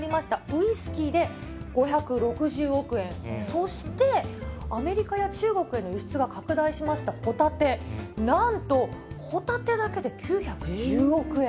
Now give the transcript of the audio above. ウイスキーで５６０億円、そして、アメリカや中国への輸出が拡大しましたホタテ、なんとホタテだけで９１０億円。